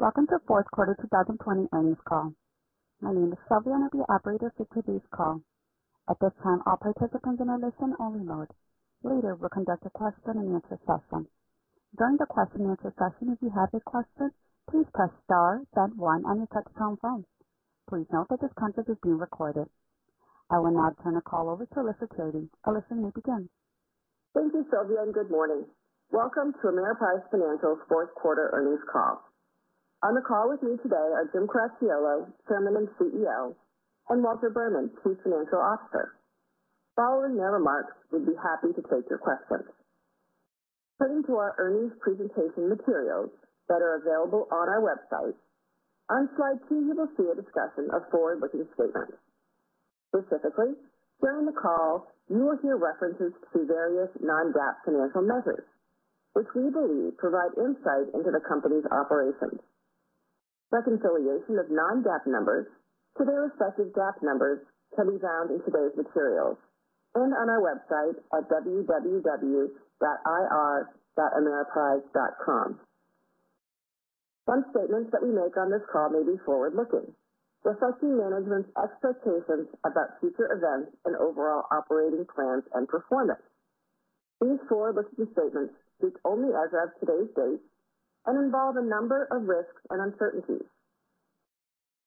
Welcome to Q4 2020 earnings call. My name is Sylvia, and I'll be operator for today's call. At this time, all participants in a listen-only mode. Later, we'll conduct a question and answer session. During the question and answer session, if you have a question, please press star then one on your touchtone phone. Please note that this conference is being recorded. I will now turn the call over to Alicia Charity. Alicia, you may begin. Thank you, Sylvia. Good morning. Welcome to Ameriprise Financial's Q4 earnings call. On the call with me today are Jim Cracchiolo, Chairman and CEO, and Walter Berman, Chief Financial Officer. Following their remarks, we'd be happy to take your questions. Turning to our earnings presentation materials that are available on our website. On slide two, you will see a discussion of forward-looking statements. Specifically, during the call, you will hear references to various non-GAAP financial measures, which we believe provide insight into the company's operations. Reconciliation of non-GAAP numbers to their respective GAAP numbers can be found in today's materials and on our website at www.ir.ameriprise.com. Some statements that we make on this call may be forward-looking, reflecting management's expectations about future events and overall operating plans and performance. These forward-looking statements speak only as of today's date and involve a number of risks and uncertainties.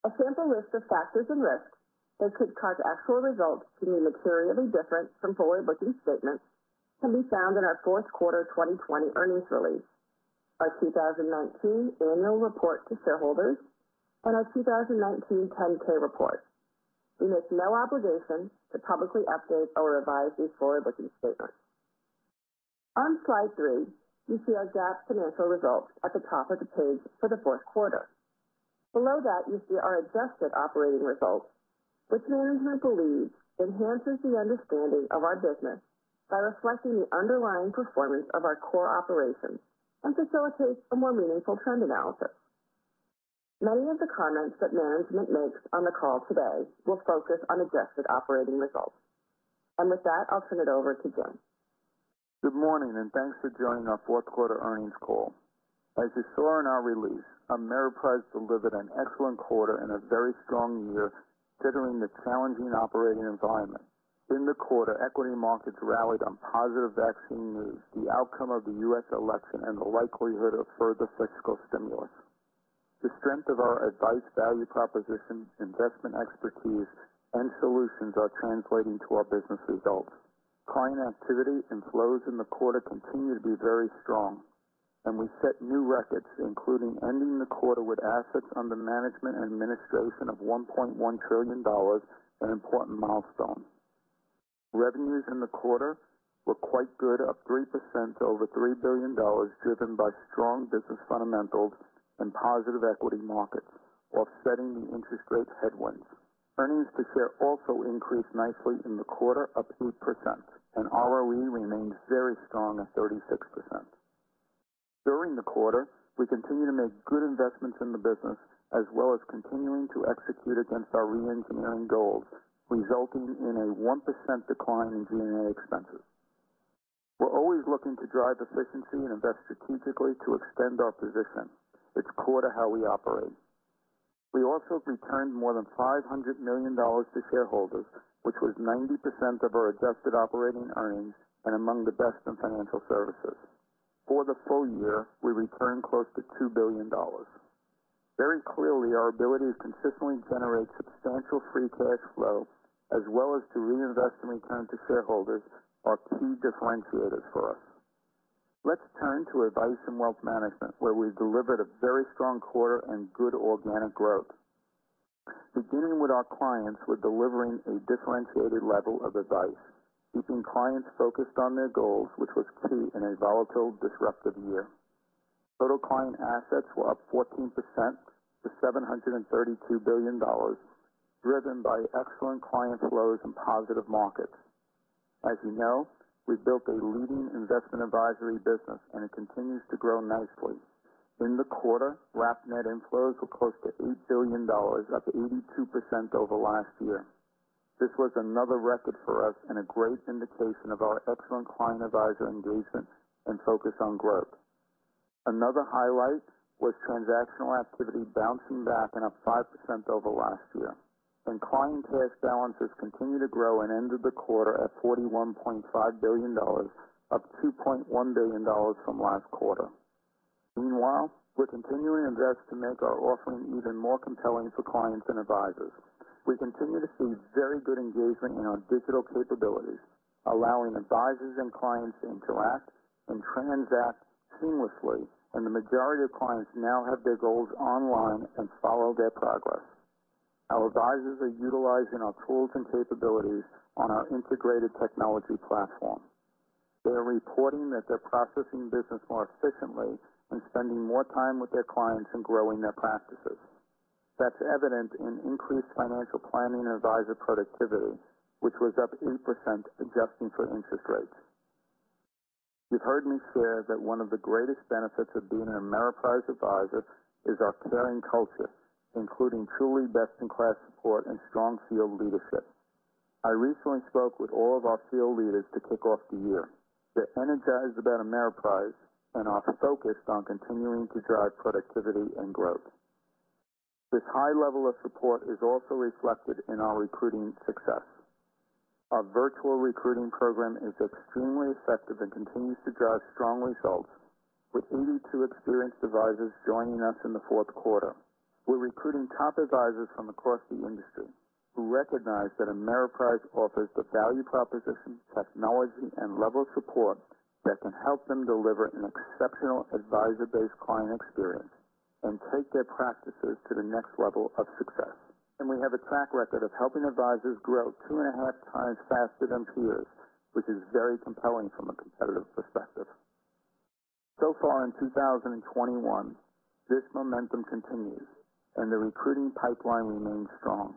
A sample list of factors and risks that could cause actual results to be materially different from forward-looking statements can be found in our Q4 2020 earnings release, our 2019 annual report to shareholders, and our 2019 10-K report. We make no obligation to publicly update or revise these forward-looking statements. On slide three, you see our GAAP financial results at the top of the page for the Q4. Below that, you see our adjusted operating results, which management believes enhances the understanding of our business by reflecting the underlying performance of our core operations and facilitates a more meaningful trend analysis. Many of the comments that management makes on the call today will focus on adjusted operating results. With that, I'll turn it over to Jim. Good morning, and thanks for joining our Q4 earnings call. As you saw in our release, Ameriprise delivered an excellent quarter and a very strong year considering the challenging operating environment. In the quarter, equity markets rallied on positive vaccine news, the outcome of the U.S. election, and the likelihood of further fiscal stimulus. The strength of our advice value proposition, investment expertise, and solutions are translating to our business results. Client activity and flows in the quarter continue to be very strong, and we set new records, including ending the quarter with assets under management and administration of $1.1 trillion, an important milestone. Revenues in the quarter were quite good, up 3% to over $3 billion, driven by strong business fundamentals and positive equity markets while offsetting the interest rate headwinds. Earnings per share also increased nicely in the quarter, up 8%, and ROE remained very strong at 36%. During the quarter, we continued to make good investments in the business as well as continuing to execute against our reengineering goals, resulting in a 1% decline in G&A expenses. We're always looking to drive efficiency and invest strategically to extend our position. It's core to how we operate. We also returned more than $500 million to shareholders, which was 90% of our adjusted operating earnings and among the best in financial services. For the full year, we returned close to $2 billion. Very clearly, our ability to consistently generate substantial free cash flow as well as to reinvest and return to shareholders are key differentiators for us. Let's turn to Advice & Wealth Management, where we've delivered a very strong quarter and good organic growth. Beginning with our clients, we're delivering a differentiated level of advice, keeping clients focused on their goals, which was key in a volatile, disruptive year. Total client assets were up 14% to $732 billion, driven by excellent client flows and positive markets. As you know, we've built a leading investment advisory business. It continues to grow nicely. In the quarter, wrap net inflows were close to $8 billion, up 82% over last year. This was another record for us and a great indication of our excellent client advisor engagement and focus on growth. Another highlight was transactional activity bouncing back and up 5% over last year. Client cash balances continued to grow and ended the quarter at $41.5 billion, up $2.1 billion from last quarter. Meanwhile, we're continuing to invest to make our offering even more compelling for clients and advisors. We continue to see very good engagement in our digital capabilities, allowing advisors and clients to interact and transact seamlessly. The majority of clients now have their goals online and follow their progress. Our advisors are utilizing our tools and capabilities on our integrated technology platform. They're reporting that they're processing business more efficiently and spending more time with their clients and growing their practices. That's evident in increased financial planning and advisor productivity, which was up 8% adjusting for interest rates. You've heard me share that one of the greatest benefits of being an Ameriprise advisor is our caring culture, including truly best-in-class support and strong field leadership. I recently spoke with all of our field leaders to kick off the year. They're energized about Ameriprise and are focused on continuing to drive productivity and growth. This high level of support is also reflected in our recruiting success. Our virtual recruiting program is extremely effective and continues to drive strong results, with 82 experienced advisors joining us in the Q4. We're recruiting top advisors from across the industry who recognize that Ameriprise offers the value proposition, technology, and level of support that can help them deliver an exceptional advisor-based client experience and take their practices to the next level of success. We have a track record of helping advisors grow 2.5x faster than peers, which is very compelling from a competitive perspective. So far in 2021, this momentum continues, and the recruiting pipeline remains strong.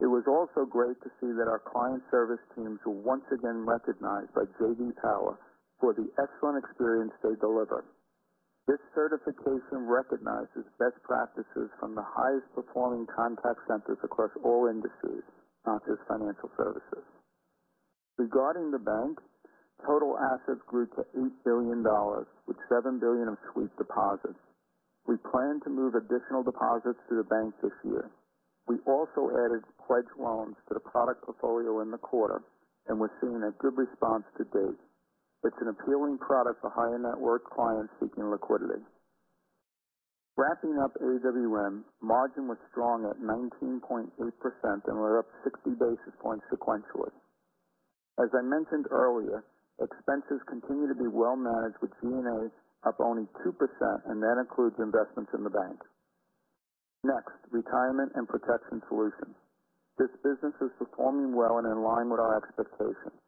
It was also great to see that our client service teams were once again recognized by J.D. Power for the excellent experience they deliver. This certification recognizes best practices from the highest performing contact centers across all industries, not just financial services. Regarding the bank, total assets grew to $8 billion, with $7 billion of sweep deposits. We plan to move additional deposits to the bank this year. We also added pledge loans to the product portfolio in the quarter. We're seeing a good response to date. It's an appealing product for higher net worth clients seeking liquidity. Wrapping up AWM, margin was strong at 19.8%. We're up 60 basis points sequentially. As I mentioned earlier, expenses continue to be well managed with G&As up only 2%. That includes investments in the bank. Next, Retirement and Protection Solutions. This business is performing well and in line with our expectations.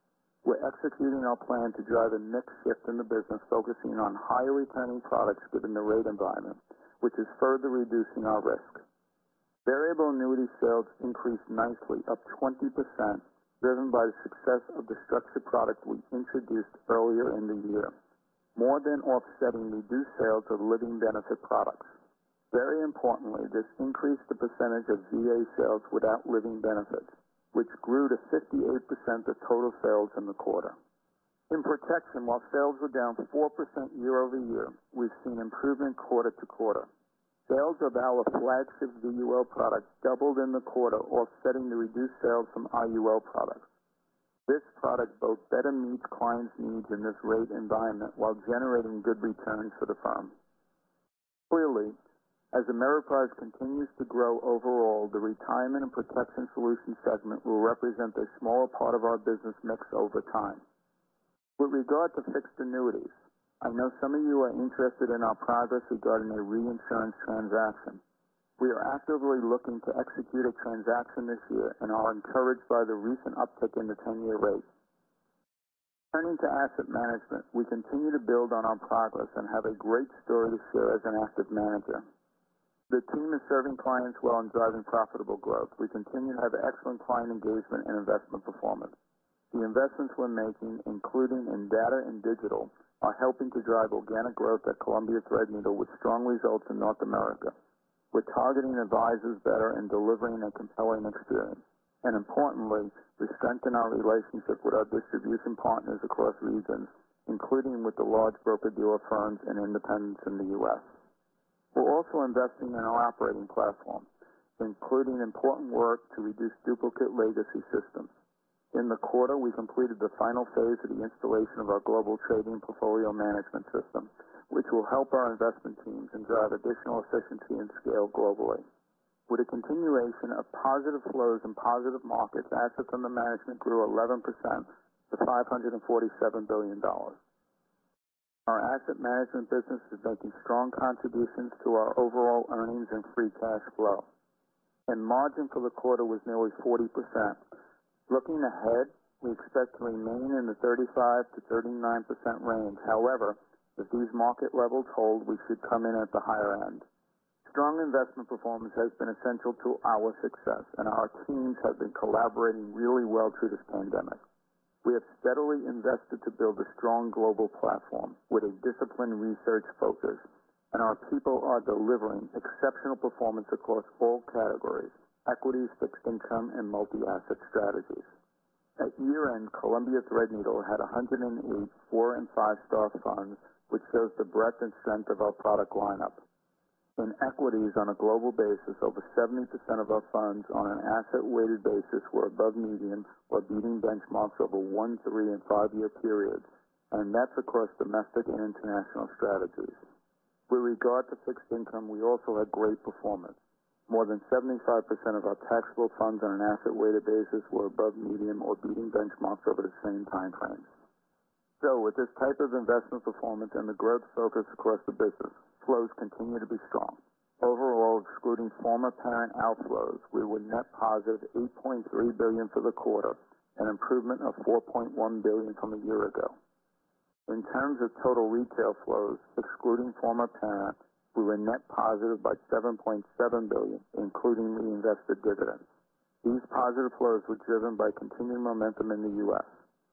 We're executing our plan to drive a mix shift in the business, focusing on higher returning products given the rate environment, which is further reducing our risk. Variable annuity sales increased nicely, up 20%, driven by the success of the structured product we introduced earlier in the year, more than offsetting reduced sales of living benefit products. Very importantly, this increased the percentage of VA sales without living benefits, which grew to 58% of total sales in the quarter. In protection, while sales were down 4% year-over-year, we've seen improvement quarter-to-quarter. Sales of our flagship VUL product doubled in the quarter, offsetting the reduced sales from IUL products. This product both better meets clients' needs in this rate environment while generating good returns for the firm. Clearly, as Ameriprise continues to grow overall, the Retirement & Protection Solutions segment will represent a smaller part of our business mix over time. With regard to fixed annuities, I know some of you are interested in our progress regarding a reinsurance transaction. We are actively looking to execute a transaction this year and are encouraged by the recent uptick in the 10-year rate. Turning to Asset Management, we continue to build on our progress and have a great story to share as an active manager. The team is serving clients well and driving profitable growth. We continue to have excellent client engagement and investment performance. The investments we're making, including in data and digital, are helping to drive organic growth at Columbia Threadneedle with strong results in North America. We're targeting advisors better and delivering a compelling experience. Importantly, we're strengthening our relationship with our distribution partners across regions, including with the large broker-dealer firms and independents in the U.S. We're also investing in our operating platform, including important work to reduce duplicate legacy systems. In the quarter, we completed the final phase of the installation of our global trading portfolio management system, which will help our investment teams and drive additional efficiency and scale globally. With a continuation of positive flows and positive markets, assets under management grew 11% to $547 billion. Our Asset Management business is making strong contributions to our overall earnings and free cash flow. Margin for the quarter was nearly 40%. Looking ahead, we expect to remain in the 35%-39% range. However, if these market levels hold, we should come in at the higher end. Strong investment performance has been essential to our success, and our teams have been collaborating really well through this pandemic. We have steadily invested to build a strong global platform with a disciplined research focus, and our people are delivering exceptional performance across all categories: equities, fixed income, and multi-asset strategies. At year-end, Columbia Threadneedle had 108 four and five-star funds, which shows the breadth and strength of our product lineup. In equities on a global basis, over 70% of our funds on an asset-weighted basis were above median or beating benchmarks over one, three, and five-year periods. That's across domestic and international strategies. With regard to fixed income, we also had great performance. More than 75% of our taxable funds on an asset-weighted basis were above median or beating benchmarks over the same time frames. With this type of investment performance and the growth focus across the business, flows continue to be strong. Overall, excluding former parent outflows, we were net positive $8.3 billion for the quarter, an improvement of $4.1 billion from a year ago. In terms of total retail flows, excluding former parent, we were net positive by $7.7 billion, including reinvested dividends. These positive flows were driven by continued momentum in the U.S.,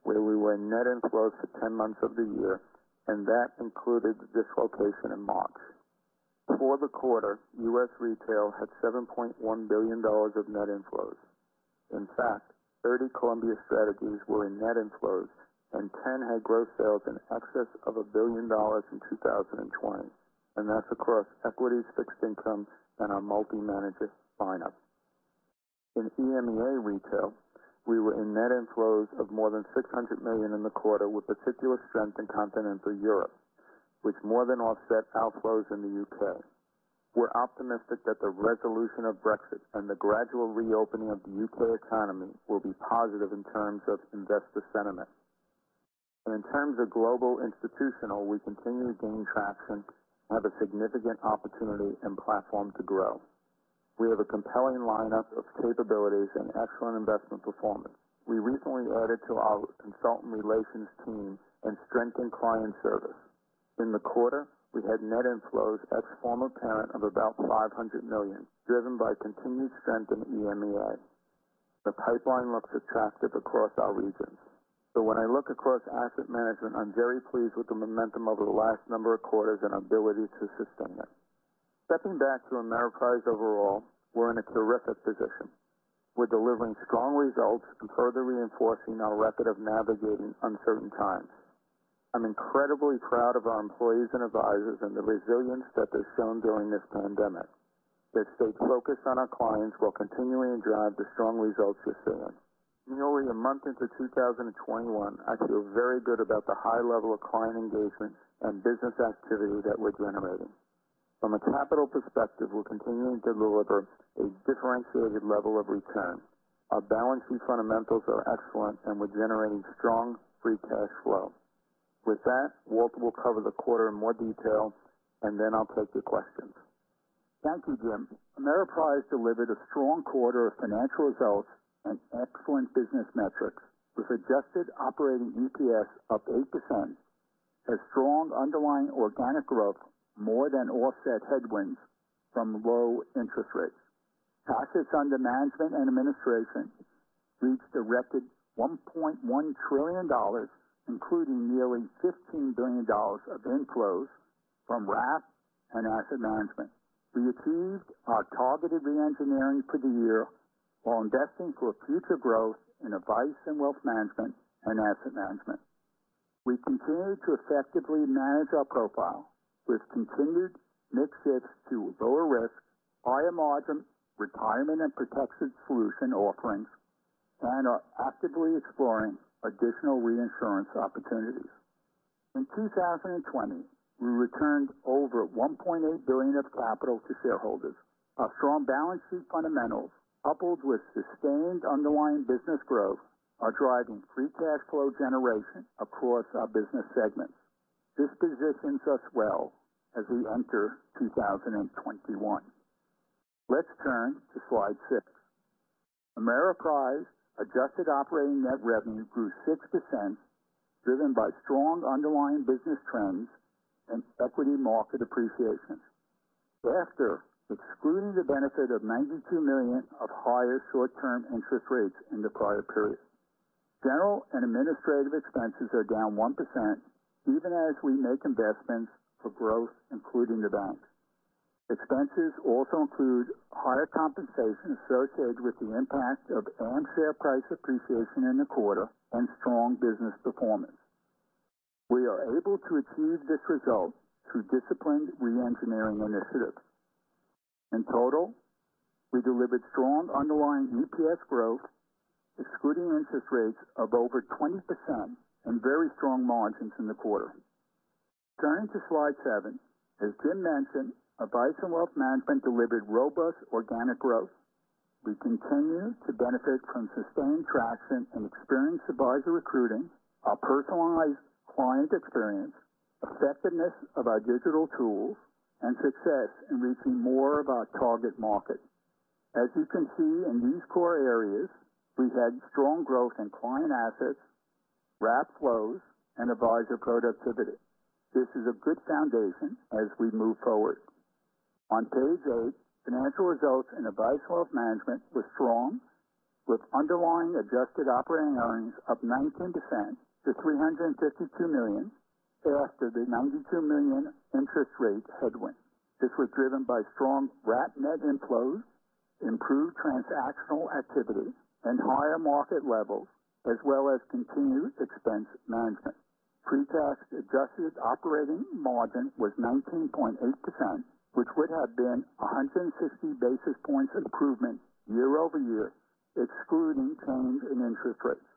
where we were in net inflows for 10 months of the year. That included the dislocation in March. For the quarter, U.S. retail had $7.1 billion of net inflows. In fact, 30 Columbia strategies were in net inflows, and 10 had gross sales in excess of $1 billion in 2020. That's across equities, fixed income, and our multi-manager lineup. In EMEA retail, we were in net inflows of more than $600 million in the quarter, with particular strength in continental Europe, which more than offset outflows in the U.K. We're optimistic that the resolution of Brexit and the gradual reopening of the U.K. economy will be positive in terms of investor sentiment. In terms of global institutional, we continue to gain traction and have a significant opportunity and platform to grow. We have a compelling lineup of capabilities and excellent investment performance. We recently added to our consultant relations team and strengthened client service. In the quarter, we had net inflows ex former parent of about $500 million, driven by continued strength in EMEA. The pipeline looks attractive across our regions. When I look across Asset Management, I'm very pleased with the momentum over the last number of quarters and ability to sustain it. Stepping back to Ameriprise overall, we're in a terrific position. We're delivering strong results and further reinforcing our record of navigating uncertain times. I'm incredibly proud of our employees and advisors and the resilience that they've shown during this pandemic. They've stayed focused on our clients while continuing to drive the strong results you're seeing. Nearly a month into 2021, I feel very good about the high level of client engagement and business activity that we're generating. From a capital perspective, we're continuing to deliver a differentiated level of return. Our balance sheet fundamentals are excellent, and we're generating strong free cash flow. Walter will cover the quarter in more detail, and then I'll take your questions. Thank you, Jim. Ameriprise delivered a strong quarter of financial results and excellent business metrics, with adjusted operating EPS up 8% as strong underlying organic growth more than offset headwinds from low interest rates. Assets under management and administration reached a record $1.1 trillion, including nearly $15 billion of inflows from wrap and asset management. We achieved our targeted re-engineering for the year while investing for future growth in Advice & Wealth Management and Asset Management. We continue to effectively manage our profile with continued mix shifts to lower risk, higher margin Retirement & Protection Solutions offerings and are actively exploring additional reinsurance opportunities. In 2020, we returned over $1.8 billion of capital to shareholders. Our strong balance sheet fundamentals, coupled with sustained underlying business growth, are driving free cash flow generation across our business segments. This positions us well as we enter 2021. Let's turn to slide six. Ameriprise adjusted operating net revenue grew 6%, driven by strong underlying business trends and equity market appreciation after excluding the benefit of $92 million of higher short-term interest rates in the prior period. General and administrative expenses are down 1%, even as we make investments for growth, including the bank. Expenses also include higher compensation associated with the impact of AMP share price appreciation in the quarter and strong business performance. We are able to achieve this result through disciplined re-engineering initiatives. In total, we delivered strong underlying EPS growth, excluding interest rates of over 20% and very strong margins in the quarter. Turning to slide seven, as Jim mentioned, Advice & Wealth Management delivered robust organic growth. We continue to benefit from sustained traction in experienced advisor recruiting, our personalized client experience, effectiveness of our digital tools, and success in reaching more of our target market. As you can see in these core areas, we had strong growth in client assets, wrap flows, and advisor productivity. This is a good foundation as we move forward. On page eight, financial results in Advice & Wealth Management were strong, with underlying adjusted operating earnings up 19% to $352 million after the $92 million interest rate headwind. This was driven by strong wrap net inflows, improved transactional activity, and higher market levels, as well as continued expense management. Pre-tax adjusted operating margin was 19.8%, which would have been 160 basis points improvement year-over-year, excluding changes in interest rates.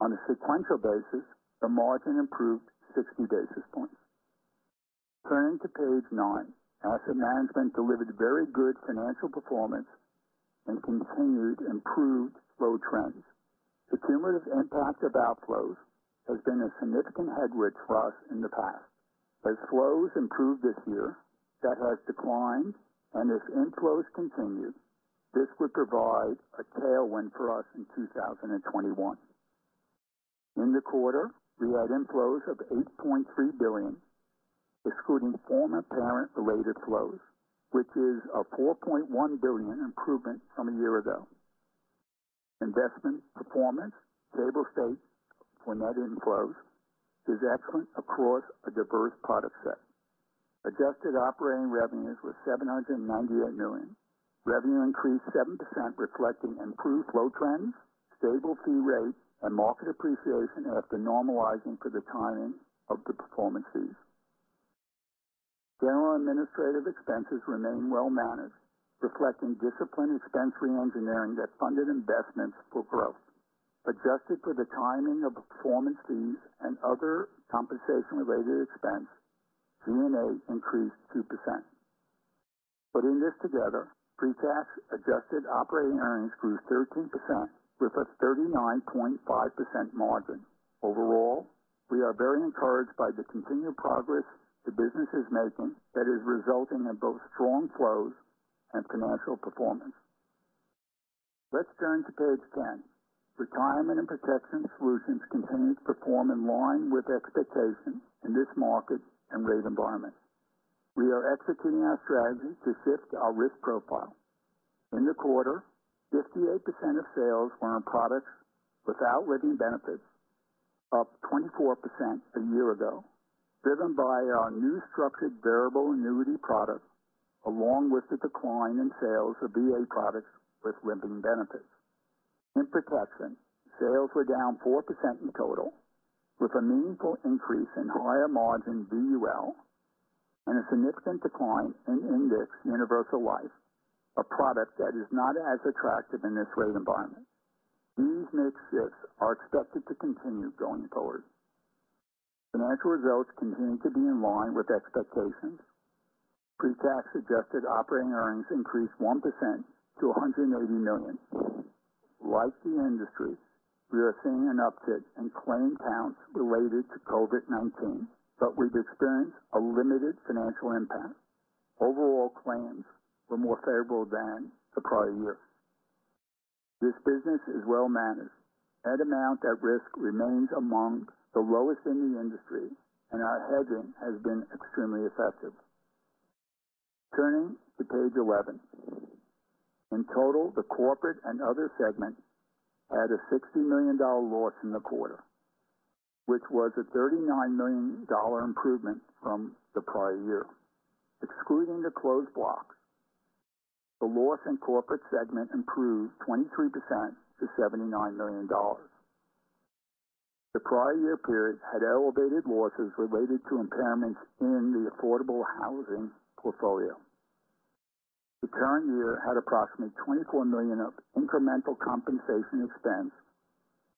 On a sequential basis, the margin improved 60 basis points. Turning to page nine. Asset Management delivered very good financial performance and continued improved flow trends. The cumulative impact of outflows has been a significant headwind for us in the past. As flows improve this year, that has declined. As inflows continue, this would provide a tailwind for us in 2021. In the quarter, we had inflows of $8.3 billion, excluding former parent-related flows, which is a $4.1 billion improvement from a year ago. Investment performance, stable states for net inflows is excellent across a diverse product set. Adjusted operating revenues was $798 million. Revenue increased 7%, reflecting improved flow trends, stable fee rates, and market appreciation after normalizing for the timing of the performance fees. General administrative expenses remain well-managed, reflecting disciplined expense reengineering that funded investments for growth. Adjusted for the timing of performance fees and other compensation-related expense, G&A increased 2%. Putting this together, pre-tax adjusted operating earnings grew 13% with a 39.5% margin. We are very encouraged by the continued progress the business is making that is resulting in both strong flows and financial performance. Let's turn to page 10. Retirement & Protection Solutions continues to perform in line with expectations in this market and rate environment. We are executing our strategy to shift our risk profile. In the quarter, 58% of sales were on products without living benefits, up 24% a year ago, driven by our new structured variable annuity products, along with the decline in sales of VA products with living benefits. In protection, sales were down 4% in total, with a meaningful increase in higher margin VUL and a significant decline in indexed universal life, a product that is not as attractive in this rate environment. These mix shifts are expected to continue going forward. Financial results continued to be in line with expectations. Pre-tax adjusted operating earnings increased 1% to $180 million. Like the industry, we are seeing an uptick in claim counts related to COVID-19, but we've experienced a limited financial impact. Overall claims were more favorable than the prior year. This business is well managed. Net amount at risk remains among the lowest in the industry, and our hedging has been extremely effective. Turning to page 11. In total, the Corporate and Other segment had a $60 million loss in the quarter, which was a $39 million improvement from the prior year. Excluding the closed blocks, the loss in Corporate segment improved 23% to $79 million. The prior year period had elevated losses related to impairments in the affordable housing portfolio. The current year had approximately $24 million of incremental compensation expense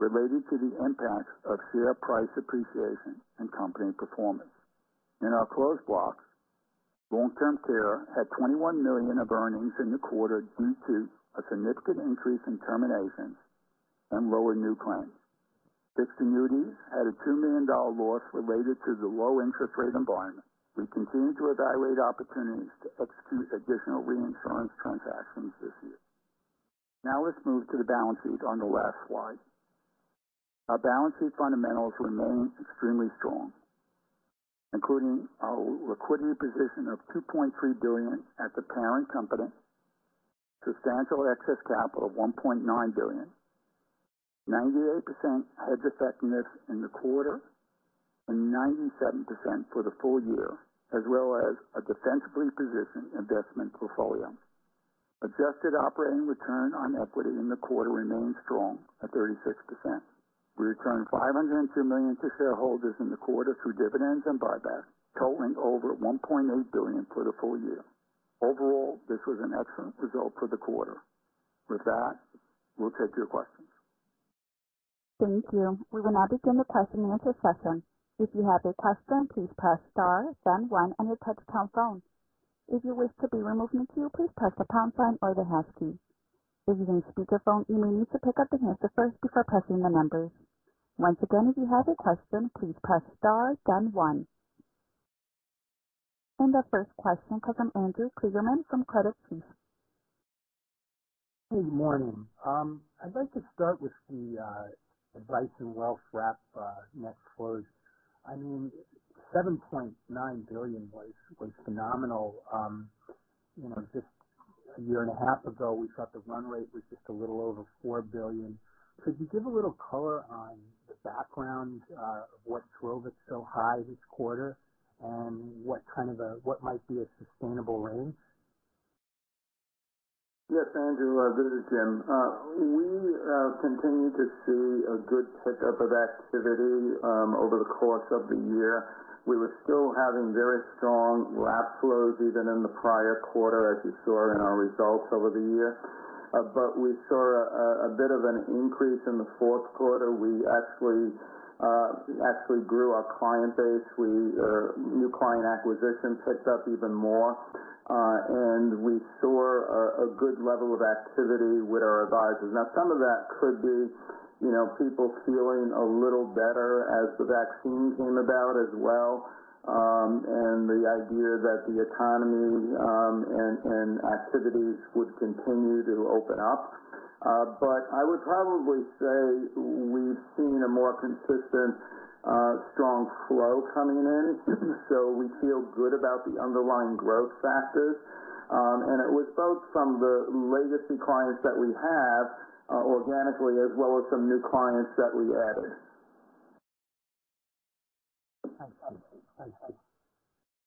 related to the impacts of share price appreciation and company performance. In our closed blocks, Long-Term Care had $21 million of earnings in the quarter due to a significant increase in terminations and lower new claims. Fixed annuities had a $2 million loss related to the low interest rate environment. We continue to evaluate opportunities to execute additional reinsurance transactions this year. Let's move to the balance sheet on the last slide. Our balance sheet fundamentals remain extremely strong, including a liquidity position of $2.3 billion at the parent company, substantial excess capital of $1.9 billion, 98% hedge effectiveness in the quarter, and 97% for the full year, as well as a defensively positioned investment portfolio. Adjusted operating return on equity in the quarter remained strong at 36%. We returned $502 million to shareholders in the quarter through dividends and buybacks, totaling over $1.8 billion for the full year. Overall, this was an excellent result for the quarter. With that, we'll take your questions. Thank you. We will now begin the questions and answers session. If you have a question please press star then one on your touchtone phone. If you wish to be removed please press the pound key or the hash key. If you are using a speaker phone please mute yourself before pressing the numbers. Once again if you have a question please press star then one. Our first question comes from Andrew Kligerman from Credit Suisse. Good morning. I'd like to start with the Advice & Wealth Management wrap net flows. I mean, $7.9 billion was phenomenal. Just a 1.5 year ago, we thought the run rate was just a little over $4 billion. Could you give a little color on the background of what drove it so high this quarter and what might be a sustainable range? Yes, Andrew. This is Jim. We continue to see a good pickup of activity over the course of the year. We were still having very strong wrap flows even in the prior quarter, as you saw in our results over the year. We saw a bit of an increase in the Q4. We actually grew our client base. New client acquisition picked up even more, and we saw a good level of activity with our advisors. Now, some of that could be people feeling a little better as the vaccine came about as well, and the idea that the economy and activities would continue to open up. I would probably say we've seen a more consistent strong flow coming in, so we feel good about the underlying growth factors. It was both from the legacy clients that we have organically as well as some new clients that we added.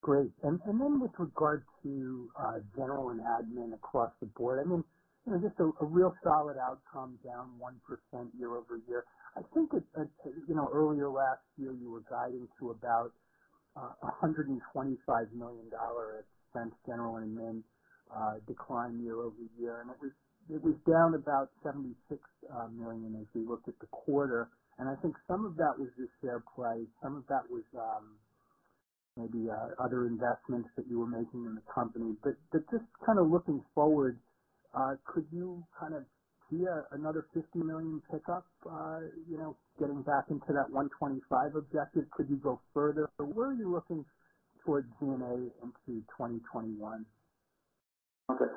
Great. With regard to general and admin across the board, just a real solid outcome down 1% year-over-year. I think earlier last year you were guiding to about $125 million expense general and admin decline year-over-year. It was down about $76 million as we looked at the quarter. I think some of that was just fair play. Some of that was maybe other investments that you were making in the company. Just looking forward, could you see another $50 million pickup, getting back into that $125 million objective? Could you go further? Where are you looking for G&A into 2021? Okay.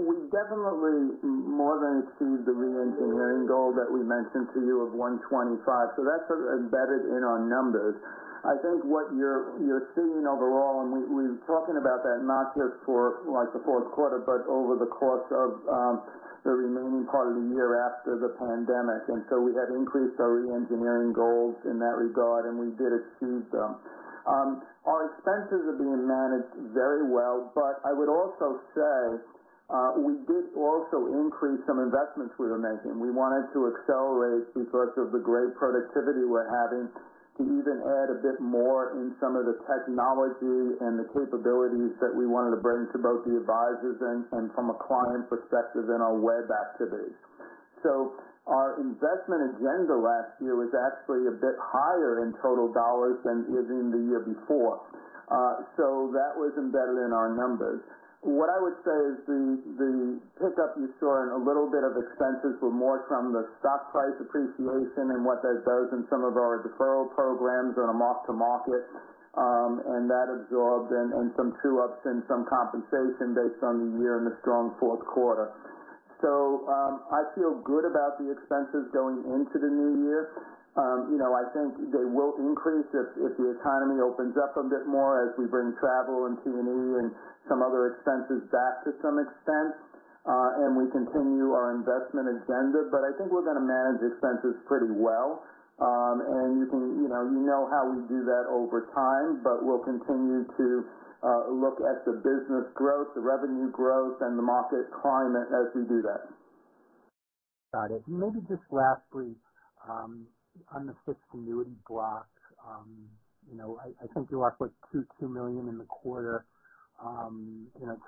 We definitely more than achieved the re-engineering goal that we mentioned to you of $125 million. That's sort of embedded in our numbers. I think what you're seeing overall, and we're talking about that not just for the Q4, but over the course of the remaining part of the year after the pandemic. We had increased our re-engineering goals in that regard, and we did achieve them. Our expenses are being managed very well, but I would also say we did also increase some investments we were making. We wanted to accelerate because of the great productivity we're having to even add a bit more in some of the technology and the capabilities that we wanted to bring to both the advisors and from a client perspective in our web activity. Our investment agenda last year was actually a bit higher in total dollars than it is in the year before. That was embedded in our numbers. What I would say is the pickup you saw in a little bit of expenses were more from the stock price appreciation and what that does in some of our deferral programs on a mark-to-market, and that absorbed and some true-ups and some compensation based on the year and the strong Q4. I feel good about the expenses going into the new year. I think they will increase if the economy opens up a bit more as we bring travel and T&E and some other expenses back to some extent, and we continue our investment agenda. I think we're going to manage expenses pretty well. You know how we do that over time, we'll continue to look at the business growth, the revenue growth, and the market climate as we do that. Got it. Maybe just lastly, on the fixed annuity blocks. I think you lost like $2.2 million in the quarter.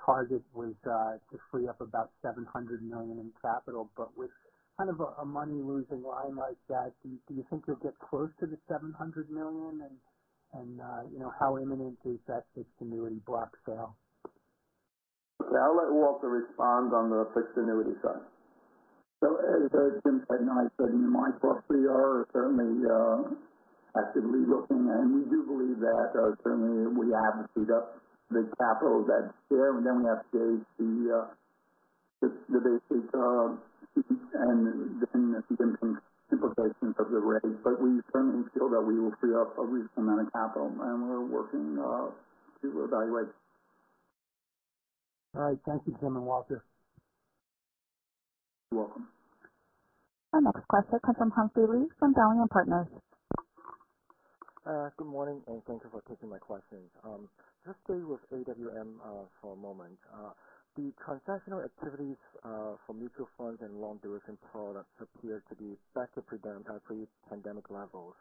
Target was to free up about $700 million in capital. With kind of a money-losing line like that, do you think you'll get close to the $700 million? How imminent is that fixed annuity block sale? Yeah, I'll let Walter respond on the fixed annuity side. As Jim said, and I said in my slot, we are certainly actively looking, and we do believe that certainly we have to free up the capital that's there, and then we have to gauge the basics and the implications of the rate. We certainly feel that we will free up a reasonable amount of capital, and we're working to evaluate. All right. Thank you, Jim and Walter. You're welcome. Our next question comes from Humphrey Lee from Dowling & Partners. Good morning, thank you for taking my questions. Just stay with AWM for a moment. The transactional activities for mutual funds and long-duration products appear to be back to pre-pandemic levels.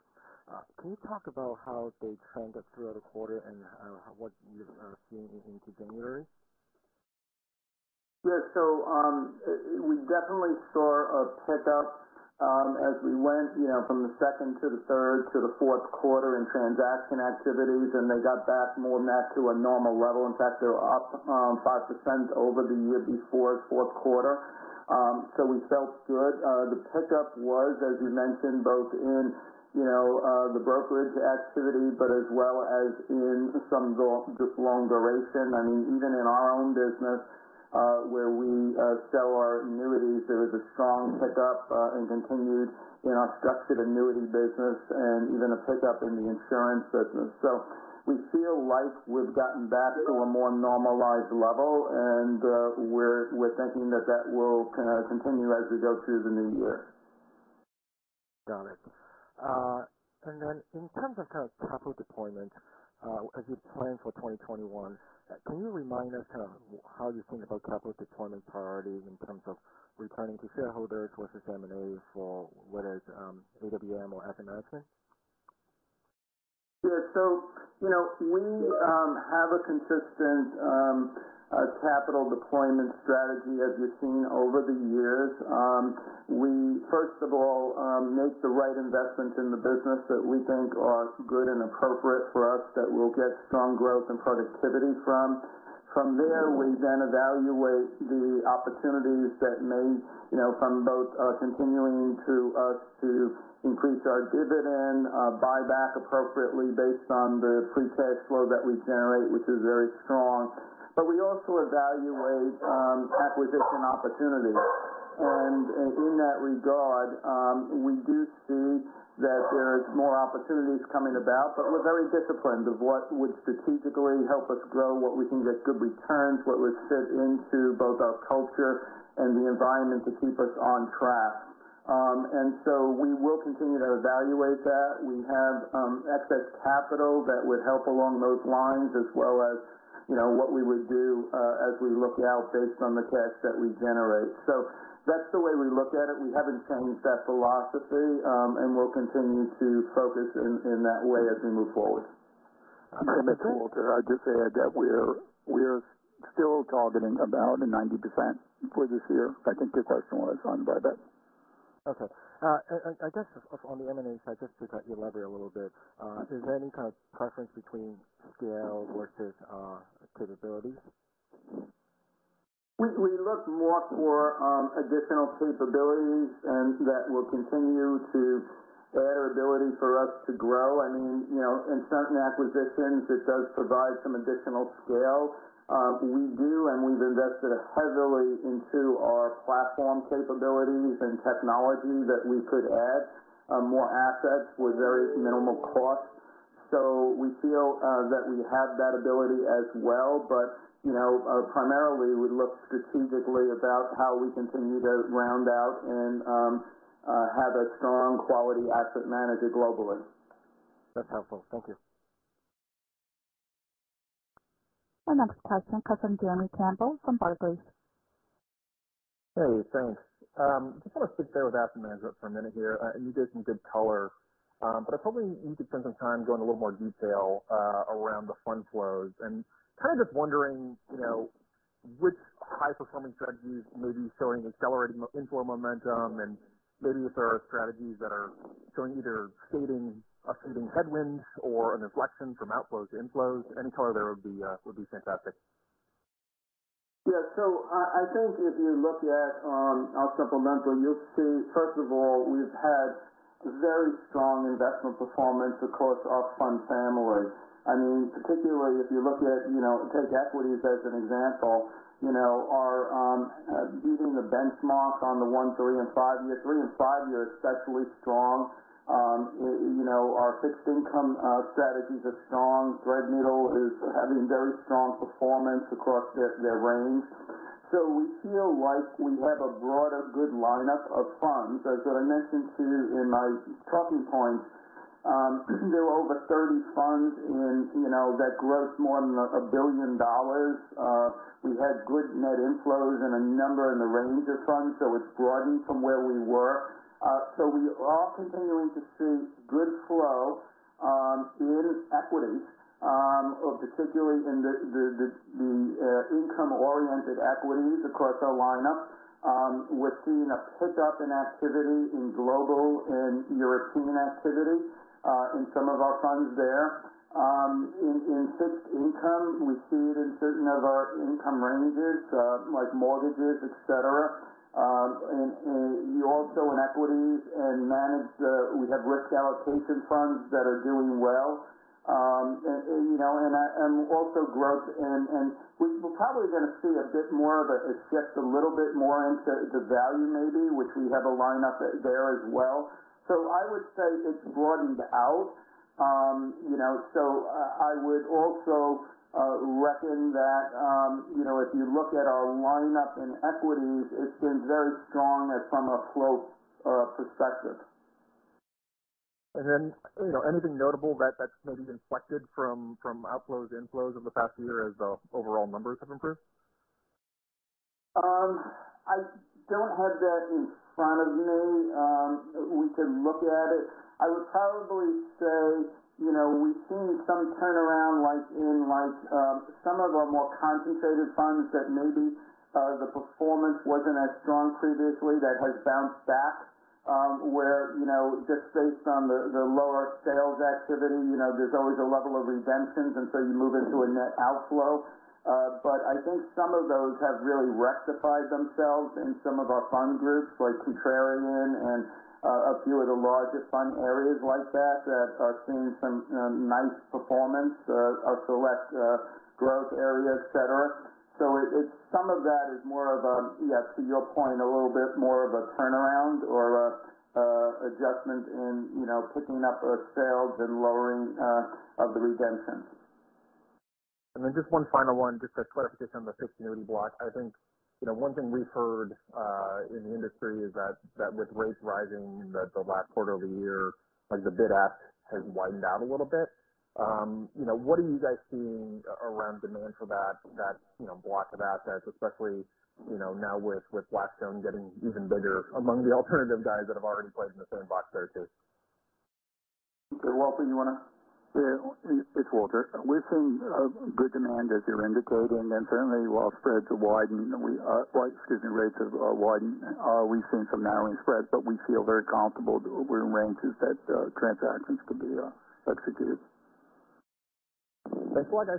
Can you talk about how they trended throughout the quarter and what you're seeing into January? Yeah. We definitely saw a pickup as we went from the Q2 to the Q3 to the Q4 in transaction activities, and they got back more than that to a normal level. In fact, they were up 5% over the year before Q4. We felt good. The pickup was, as you mentioned, both in the brokerage activity, but as well as in some long duration. Even in our own business where we sell our annuities, there was a strong pickup and continued in our structured annuity business and even a pickup in the insurance business. We feel like we've gotten back to a more normalized level, and we're thinking that that will continue as we go through the new year. Got it. In terms of capital deployment as you plan for 2021, can you remind us how you're thinking about capital deployment priorities in terms of returning to shareholders versus M&A for whether it's AWM or Asset Management? We have a consistent capital deployment strategy, as you've seen over the years. We first of all make the right investments in the business that we think are good and appropriate for us that we'll get strong growth and productivity from. We evaluate the opportunities that may from both continuing to us to increase our dividend, buy back appropriately based on the free cash flow that we generate, which is very strong. We also evaluate acquisition opportunities. In that regard, we do see that there's more opportunities coming about, but we're very disciplined of what would strategically help us grow, what we can get good returns, what would fit into both our culture and the environment to keep us on track. We will continue to evaluate that. We have excess capital that would help along those lines as well as what we would do as we look out based on the cash that we generate. That's the way we look at it. We haven't changed that philosophy, and we'll continue to focus in that way as we move forward. This is Walter. I'd just add that we're still targeting about a 90% for this year. I think your question was on buyback. Okay. I guess on the M&A side, just to cut your lever a little bit, is there any kind of preference between scale versus capabilities? We look more for additional capabilities, and that will continue to add ability for us to grow. In certain acquisitions, it does provide some additional scale. We do, and we've invested heavily into our platform capabilities and technology that we could add more assets with very minimal cost. We feel that we have that ability as well. Primarily, we look strategically about how we continue to round out and have a strong quality asset manager globally. That's helpful. Thank you. Our next question comes from Jeremy Campbell from Barclays. Hey, thanks. Just want to stick there with asset management for a minute here. You gave some good color, but I probably need to spend some time going a little more detail around the fund flows. Kind of just wondering, which high-performing strategies may be showing accelerating inflow momentum, and maybe if there are strategies that are showing either up-feeding headwinds or an inflection from outflows to inflows. Any color there would be fantastic. I think if you look at our supplemental, you'll see, first of all, we've had very strong investment performance across our fund families. Particularly if you take equities as an example, our beating the benchmark on the one, three, and five-year. Three and five year, especially strong. Our fixed income strategies are strong. Threadneedle is having very strong performance across their range. We feel like we have a broader good lineup of funds. As I mentioned, too, in my talking points there are over 30 funds that gross more than $1 billion. We've had good net inflows in a number in the range of funds, so it's broadened from where we were. We are continuing to see good flow in equities, particularly in the income-oriented equities across our lineup. We're seeing a pickup in activity in global and European activity in some of our funds there. In fixed income, we see it in certain of our income ranges, like mortgages, et cetera, and also in equities and managed, we have risk allocation funds that are doing well. Also growth. We're probably going to see a bit more of a shift a little bit more into the value maybe, which we have a lineup there as well. I would say it's broadened out. I would also reckon that if you look at our lineup in equities, it's been very strong from a flow perspective. Anything notable that's maybe inflected from outflows to inflows over the past year as the overall numbers have improved? I don't have that in front of me. We could look at it. I would probably say we've seen some turnaround like in some of our more concentrated funds that maybe the performance wasn't as strong previously that has bounced back, where just based on the lower sales activity, there's always a level of redemptions, and so you move into a net outflow. I think some of those have really rectified themselves in some of our fund groups, like Contrarian and a few of the larger fund areas like that are seeing some nice performance, our select growth areas, et cetera. Some of that is more of a, to your point, a little bit more of a turnaround or adjustment in picking up sales and lowering of the redemptions. Just one final one just for clarification on the fixed annuity block. I think one thing we've heard in the industry is that with rates rising the last quarter of the year, like the bid ask has widened out a little bit. What are you guys seeing around demand for that block of assets, especially now with Blackstone getting even bigger among the alternative guys that have already played in the sandbox there, too? Okay, Walter, you want to. Yeah. It's Walter. We're seeing good demand as you're indicating, and certainly while spreads have widened, excuse me, rates have widened, we've seen some narrowing spreads, but we feel very comfortable that we're in ranges that transactions can be executed. Thanks, Walter.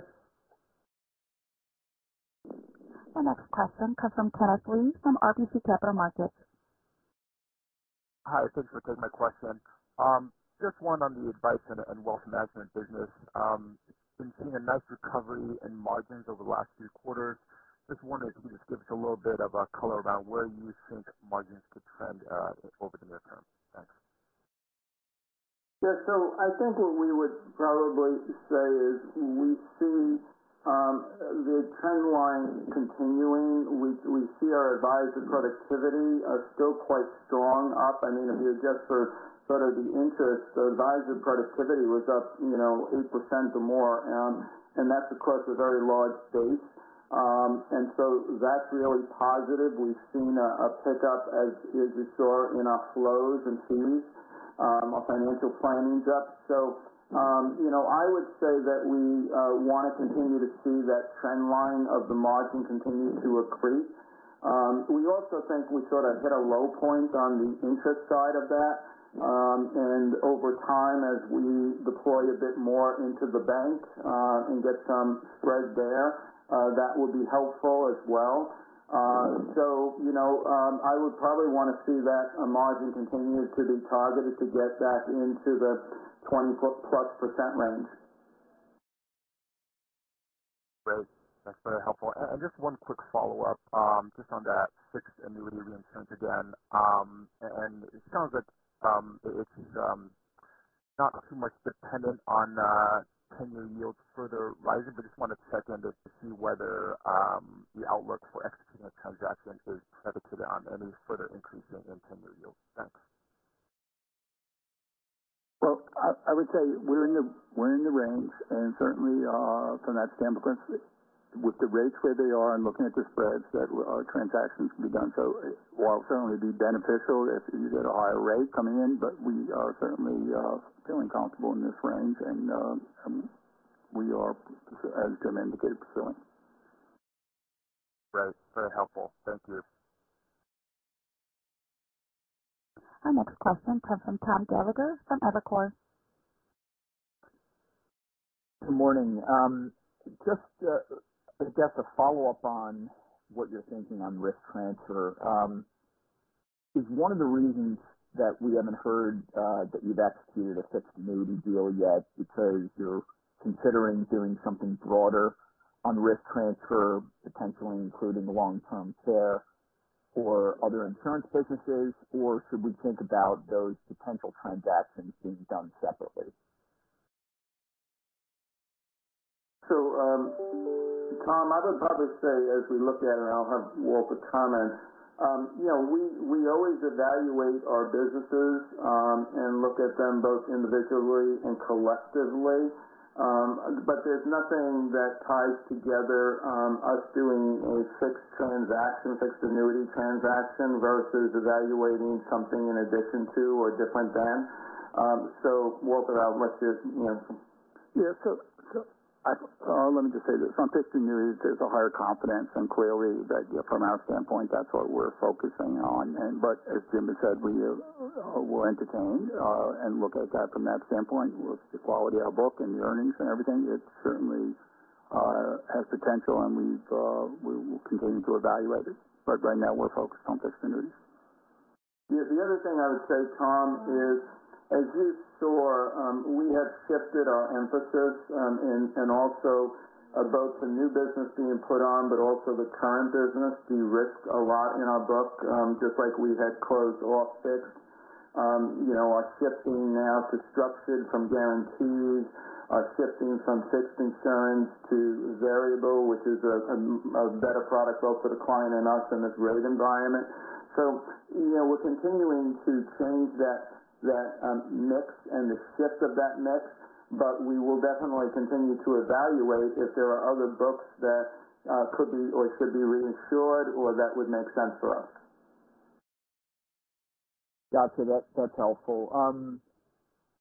Our next question comes from Kenneth Lee from RBC Capital Markets. Hi, thanks for taking my question. Just one on the Advice & Wealth Management business. Been seeing a nice recovery in margins over the last few quarters. Just wondering if you could just give us a little bit of color around where you think margins could trend at over the near term. Thanks. Yeah. I think what we would probably say is we see the trend line continuing. We see our advisor productivity still quite strong, up. If you adjust for the interest, the advisor productivity was up 8% or more. That's, of course, a very large base. That's really positive. We've seen a pickup, as you saw in our flows and fees. Our financial planning is up. I would say that we want to continue to see that trend line of the margin continue to accrete. We also think we hit a low point on the interest side of that. Over time, as we deploy a bit more into the bank and get some spread there that will be helpful as well. I would probably want to see that margin continue to be targeted to get back into the 20+% range. Great. That's very helpful. Just one quick follow-up just on that fixed annuity reinsurance again. It sounds like it's not too much dependent on 10-year yields further rising, but just wanted to check in to see whether the outlook for executing those transactions is pivoted on any further increase in 10-year yields. Thanks. I would say we're in the range, and certainly from that standpoint, with the rates where they are and looking at the spreads, that our transactions can be done. While it certainly would be beneficial if you get a higher rate coming in, but we are certainly feeling comfortable in this range. We are, as Jim indicated, pursuing. Great. Very helpful. Thank you. Our next question comes from Tom Gallagher from Evercore. Good morning. Just I guess a follow-up on what you're thinking on risk transfer. Is one of the reasons that we haven't heard that you've executed a fixed annuity deal yet because you're considering doing something broader on risk transfer, potentially including the Long-Term Care or other insurance businesses? Should we think about those potential transactions being done separately? Tom, I would probably say as we look at it, and I'll have Walt comment. We always evaluate our businesses and look at them both individually and collectively. There's nothing that ties together us doing a fixed transaction, fixed annuity transaction versus evaluating something in addition to or different than. Walt, what about? Yeah. Let me just say this. On fixed annuities, there's a higher confidence, and clearly from our standpoint, that's what we're focusing on. As Jim has said, we'll entertain and look at that from that standpoint with the quality of our book and the earnings and everything. It certainly has potential, and we will continue to evaluate it. Right now, we're focused on fixed annuities. Yeah. The other thing I would say, Tom, is as you saw, we have shifted our emphasis and also both the new business being put on but also the current business de-risked a lot in our book just like we've had closed off fixed. We're shifting now to structured from guarantees, we're shifting from fixed insurance to variable, which is a better product both for the client and us in this rate environment. We're continuing to change that mix and the shift of that mix, but we will definitely continue to evaluate if there are other books that could be or should be reinsured or that would make sense for us. Got you. That's helpful.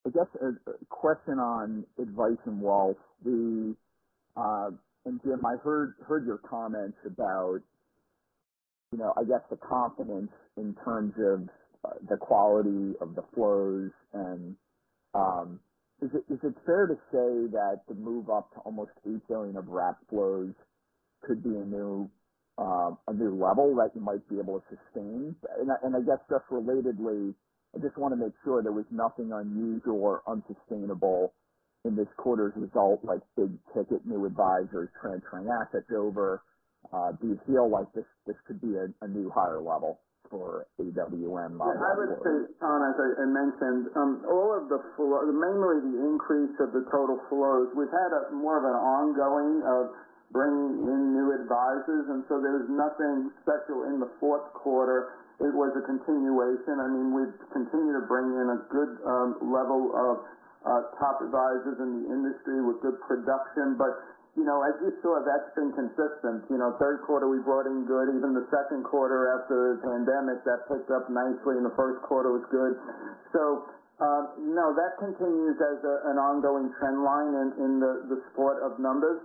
I guess a question on advice from Walt. Jim, I heard your comments about the confidence in terms of the quality of the flows. Is it fair to say that the move up to almost $8 billion of wrap flows could be a new level that you might be able to sustain? Just relatedly, I just want to make sure there was nothing unusual or unsustainable in this quarter's result, like big-ticket new advisors transferring assets over. Do you feel like this could be a new higher level for AWM models? Yeah. I would say, Tom, as I mentioned, mainly the increase of the total flows, we've had more of an ongoing of bringing in new advisors, there's nothing special in the Q4. It was a continuation. We continue to bring in a good level of top advisors in the industry with good production. As you saw, that's been consistent. Q3, we brought in good. Even the Q2 after the pandemic, that picked up nicely, the Q1 was good. No, that continues as an ongoing trend line in the support of numbers.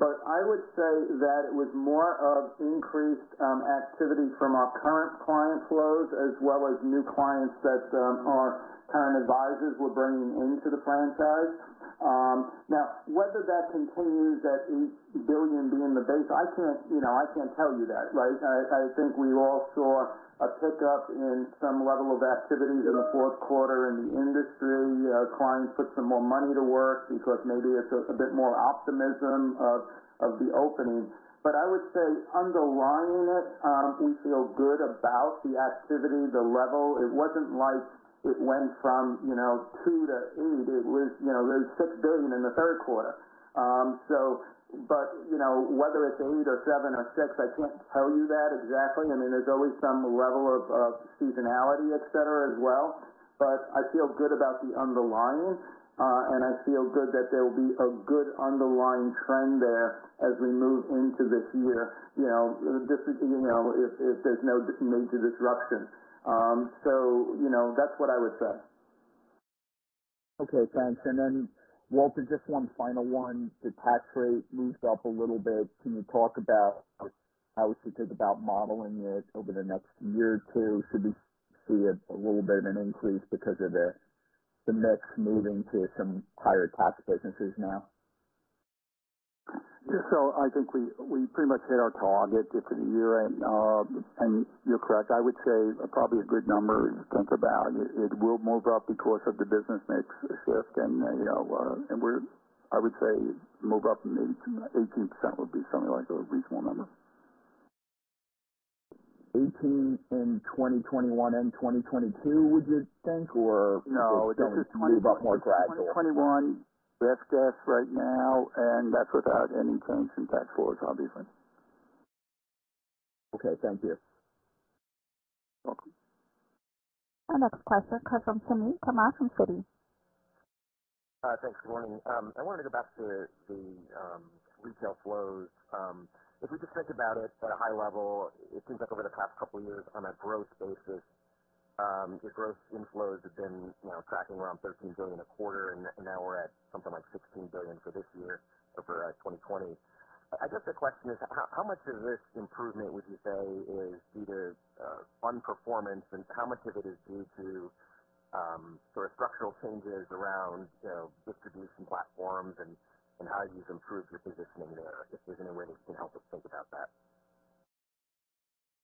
I would say that it was more of increased activity from our current client flows as well as new clients that our current advisors were bringing into the franchise. Now, whether that continues at $8 billion being the base, I can't tell you that, right? I think we all saw a pickup in some level of activities in the Q4 in the industry. Clients put some more money to work because maybe it's a bit more optimism of the opening. I would say underlying it, we feel good about the activity, the level. It wasn't like it went from two to eight. There was $6 billion in the Q3. Whether it's eight or seven or six, I can't tell you that exactly. There's always some level of seasonality, et cetera, as well. I feel good that there will be a good underlying trend there as we move into this year, if there's no major disruption. That's what I would say. Okay, thanks. Walter, just one final one. The tax rate moved up a little bit. Can you talk about how we should think about modeling it over the next year or two? Should we see a little bit of an increase because of the mix moving to some higher tax businesses now? Yeah. I think we pretty much hit our target for the year. You're correct. I would say probably a good number to think about, it will move up because of the business mix shift and I would say move up maybe to 18% would be something like a reasonable number. 18 in 2021 and 2022, would you think? No. Do you think it will move up more gradual? 2021, rough guess right now, that's without any change in tax laws, obviously. Okay, thank you. Welcome. Our next question comes from Suneet Kamath from Citi. Thanks. Good morning. I wanted to go back to the retail flows. If we just think about it at a high level, it seems like over the past couple of years on a growth basis, your growth inflows have been tracking around $13 billion a quarter, and now we're at something like $16 billion for this year, for 2020. I guess the question is, how much of this improvement would you say is either on performance, and how much of it is due to sort of structural changes around distribution platforms and how you've improved your positioning there? If there's any way you can help us think about that?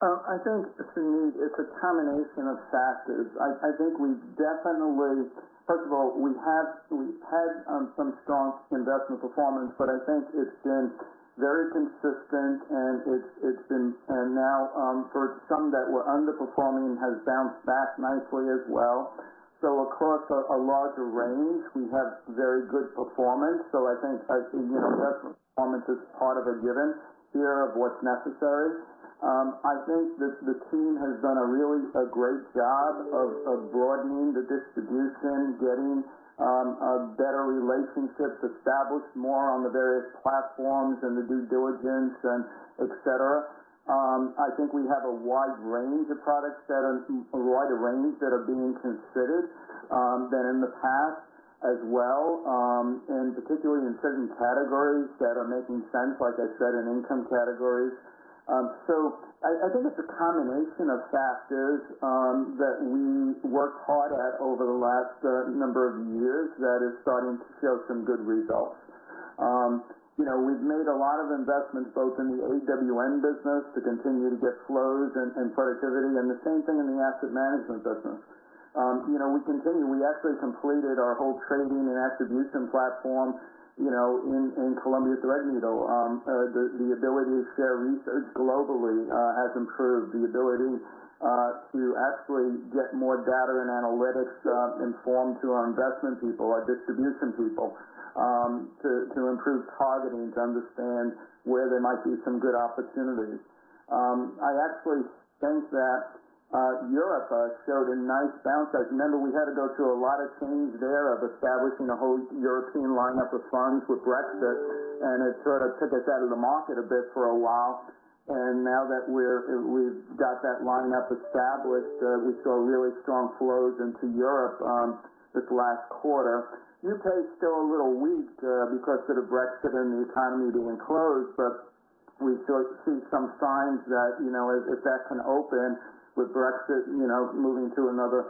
I think, Suneet, it's a combination of factors. First of all, we've had some strong investment performance, but I think it's been very consistent and now for some that were underperforming has bounced back nicely as well. Across a larger range, we have very good performance. I think investment performance is part of a given here of what's necessary. I think that the team has done a really great job of broadening the distribution, getting better relationships established more on the various platforms and the due diligence and et cetera. I think we have a wide range of products that are being considered than in the past as well, and particularly in certain categories that are making sense, like I said, in income categories. I think it's a combination of factors that we worked hard at over the last number of years that is starting to show some good results. We've made a lot of investments both in the AWM business to continue to get flows and productivity, and the same thing in the Asset Management business. We actually completed our whole trading and active recent platform in Columbia Threadneedle. The ability to share research globally has improved the ability to actually get more data and analytics informed to our investment people, our distribution people to improve targeting, to understand where there might be some good opportunities. I actually think that Europe showed a nice bounce. Remember, we had to go through a lot of change there of establishing a whole European lineup of funds with Brexit, and it sort of took us out of the market a bit for a while. Now that we've got that lineup established, we saw really strong flows into Europe this last quarter. U.K.'s still a little weak because of the Brexit and the economy being closed, we see some signs that if that can open with Brexit moving to another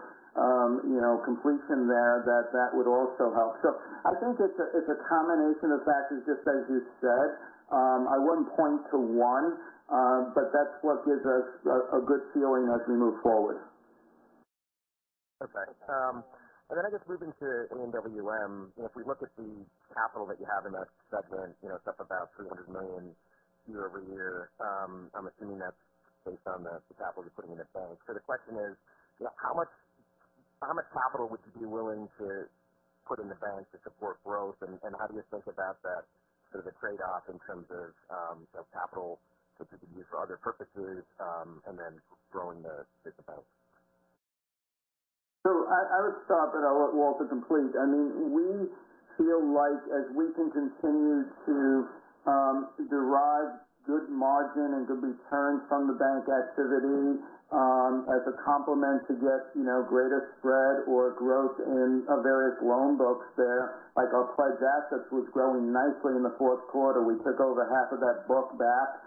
completion there, that would also help. I think it's a combination of factors, just as you said. I wouldn't point to one. That's what gives us a good feeling as we move forward. Okay. I guess moving to AWM, if we look at the capital that you have in that segment, it's up about $300 million year-over-year. I'm assuming that's based on the capital you're putting in the bank. The question is, how much capital would you be willing to put in the bank to support growth? How do you think about that sort of a trade-off in terms of capital that you could use for other purposes and then growing the bank? I would start, but I'll let Walter complete. We feel like as we can continue to derive good margin and good returns from the bank activity as a complement to get greater spread or growth in our various loan books there. Like our pledged assets was growing nicely in the Q4. We took over half of that book back.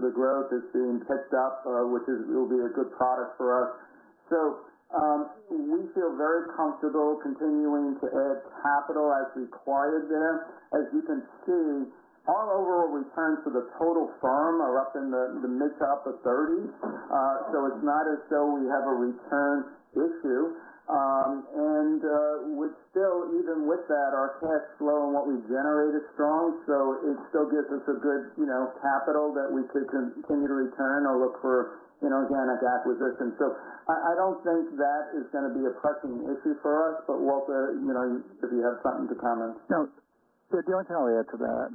The growth is being picked up which will be a good product for us. We feel very comfortable continuing to add capital as required there. As you can see, our overall returns for the total firm are up in the mid to upper 30s. It's not as though we have a return issue. We're still, even with that, our cash flow and what we've generated is strong. It still gives us a good capital that we could continue to return or look for inorganic acquisition. I don't think that is going to be a pressing issue for us, but Walter if you have something to comment. Jim, can I add to that?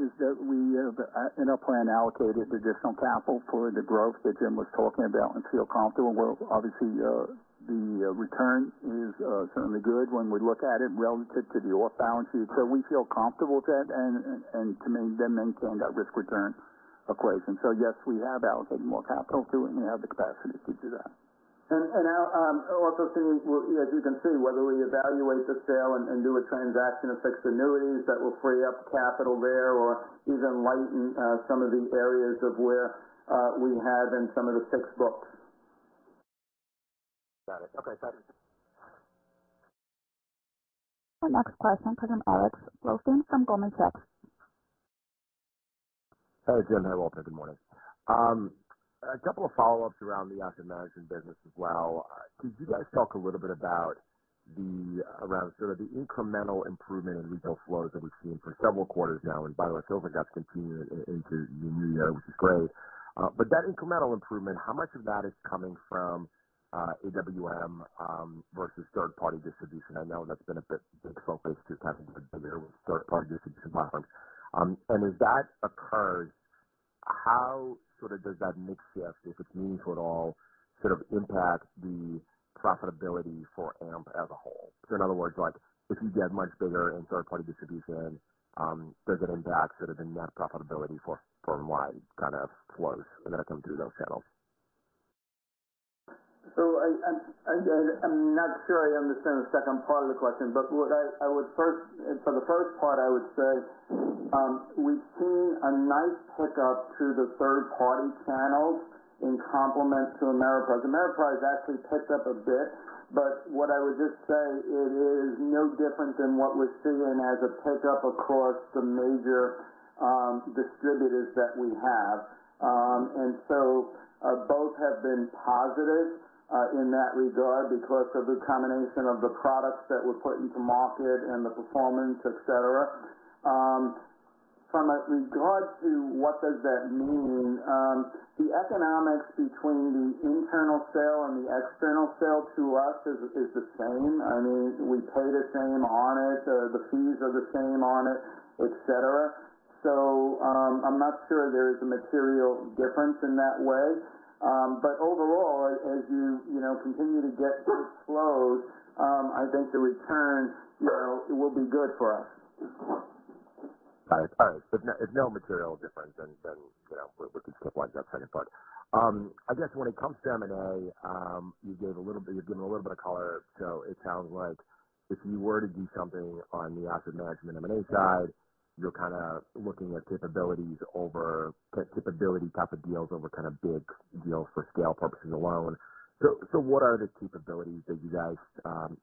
Is that we have, in our plan, allocated additional capital for the growth that Jim was talking about and feel comfortable. Obviously, the return is certainly good when we look at it relative to the off-balance sheet. We feel comfortable with that and to maintain that risk-return equation. Yes, we have allocated more capital to it, and we have the capacity to do that. Also, as you can see, whether we evaluate the sale and do a transaction of fixed annuities that will free up capital there or even lighten some of the areas of where we have in some of the fixed books. Got it. Okay. The next question comes from Alex Blostein from Goldman Sachs. Hi, Jim. Hi, Walter. Good morning. A couple of follow-ups around the Asset Management business as well. Could you guys talk a little bit about the incremental improvement in retail flows that we've seen for several quarters now? By the way, it does look like that's continuing into the new year, which is great. That incremental improvement, how much of that is coming from AWM versus third-party distribution? I know that's been a big focus this past year with third-party distribution platforms. As that occurs, how does that mix shift, if it's meaningful at all, sort of impact the profitability for AMP as a whole? In other words, if you get much bigger in third-party distribution, does it impact the net profitability for firm-wide kind of flows that come through those channels? I'm not sure I understand the second part of the question. For the first part, I would say we've seen a nice pickup through the third-party channels in complement to Ameriprise. Ameriprise actually picked up a bit, but what I would just say, it is no different than what we're seeing as a pickup across the major distributors that we have. Both have been positive in that regard because of the combination of the products that we're putting to market and the performance, et cetera. From a regard to what does that mean, the economics between the internal sale and the external sale to us is the same. I mean, we pay the same on it, the fees are the same on it, et cetera. I'm not sure there's a material difference in that way. Overall, as you continue to get good flows, I think the return will be good for us. All right. There's no material difference than with the stuff like that. I guess when it comes to M&A, you've given a little bit of color. It sounds like if you were to do something on the Asset Management M&A side, you're kind of looking at capability type of deals over big deals for scale purposes alone. What are the capabilities that you guys